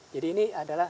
jadi ini adalah